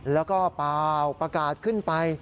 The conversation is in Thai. แล้วก็เปล่าประกาศขึ้นไป